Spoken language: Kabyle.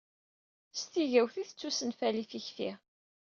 S tigawt i tettusenfali tikti.